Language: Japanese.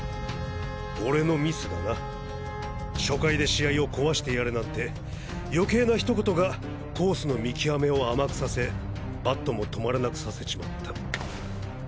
俺のミスだな初回で試合を壊してやれなんて余計なひと言がコースの見極めを甘くさせバットも止まらなくさせちまった。